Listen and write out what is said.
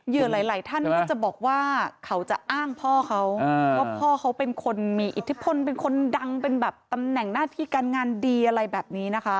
หลายท่านก็จะบอกว่าเขาจะอ้างพ่อเขาว่าพ่อเขาเป็นคนมีอิทธิพลเป็นคนดังเป็นแบบตำแหน่งหน้าที่การงานดีอะไรแบบนี้นะคะ